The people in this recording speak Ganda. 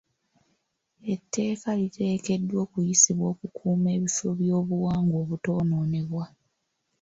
Etteeka liteekeddwa okuyisibwa okukuuma ebifo by'obuwangwa obutoonoonebwa.